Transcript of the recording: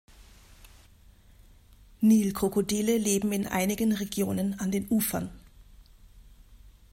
Nilkrokodile leben in einigen Regionen an den Ufern.